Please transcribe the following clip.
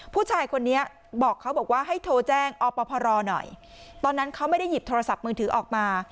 ผู้ชายคนนี้บอกเขาบอกว่าให้โทรแจ้งอปพรหน่อยตอนนั้นเขาไม่ได้หยิบโทรศัพท์มือถือออกมา